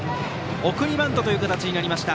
送りバントという形になりました。